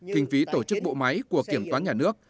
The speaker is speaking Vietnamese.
kinh phí tổ chức bộ máy của kiểm toán nhà nước